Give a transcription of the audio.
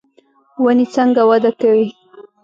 ونې څنګه وده کوي؟